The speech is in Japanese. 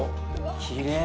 きれい。